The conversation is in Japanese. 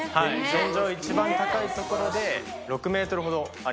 天井一番高い所で６メートルほどありますので。